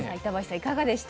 いかがでした？